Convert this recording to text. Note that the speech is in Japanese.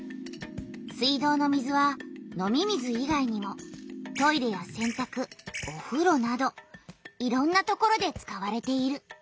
水道の水は飲み水いがいにもトイレやせんたくおふろなどいろんなところで使われている。